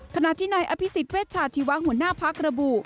ขณะที่นายอภิษฎเวชาชีวะหัวหน้าพักระบุ